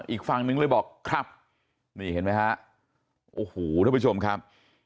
อีกฟังหนึ่งเลยบอกครับนี่เห็นไหมครับโอ้โหทุกผู้ชมครับ